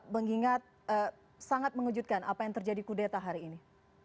mengingat sangat mengejutkan apa yang terjadi kudeta hari ini